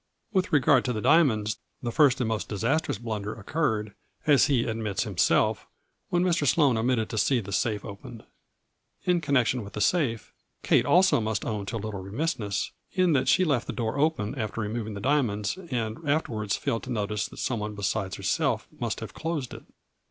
With regard to the diamonds the first and most dis astrous blunder occurred, as he admits himself, when Mr. Sloane omitted to see the safe opened. In connection with the safe Kate also must own to a little remissness, in that she left the door open after removing the diamonds and after wards failed to notice that some one besides herself must have closed it.